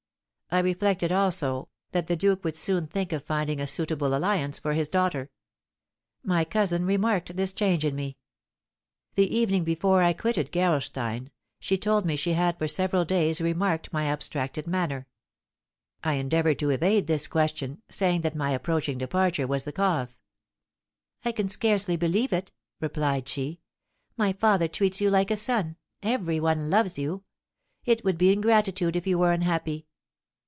I reflected, also, that the duke would soon think of finding a suitable alliance for his daughter. My cousin remarked this change in me. The evening before I quitted Gerolstein she told me she had for several days remarked my abstracted manner. I endeavoured to evade this question, saying that my approaching departure was the cause. "I can scarcely believe it," replied she. "My father treats you like a son; every one loves you. It would be ingratitude if you were unhappy."